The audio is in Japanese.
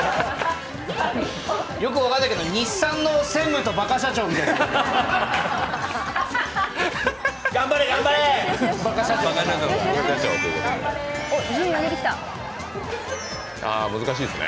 よく分かんないけど、日産の専務と、ばか社長みたいですね。